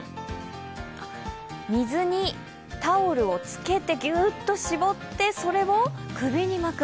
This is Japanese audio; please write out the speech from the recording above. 水にタオルをつけてぎゅーっと絞ってそれを首に巻く。